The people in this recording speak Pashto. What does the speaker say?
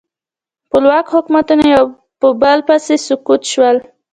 خپلواک حکومتونه یو په بل پسې سقوط شول.